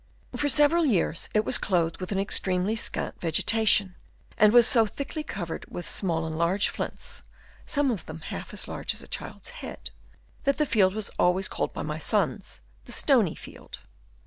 For several years it was clothed with an extremely scant vegetation, and was so thickly covered with small and large flints (some of them half as large as a child's head) that the field was always called by my sons " the stony field."